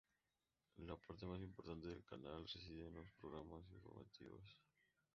La parte más importante del canal, reside en los programas informativos.